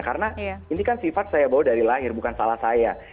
karena ini kan sifat saya bawa dari lahir bukan salah saya